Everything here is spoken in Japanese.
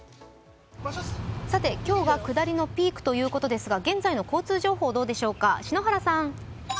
今日が下りのピークということですが現在の交通情報どうでしょうか。